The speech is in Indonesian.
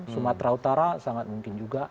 sumatera utara sangat mungkin juga